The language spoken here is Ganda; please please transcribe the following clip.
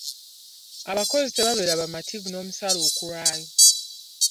Abakozi tebabeera bamativu n'omusaaala okulwayo.